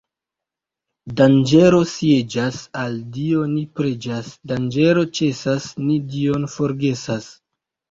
Danĝero sieĝas, al Dio ni preĝas — danĝero ĉesas, ni Dion forgesas.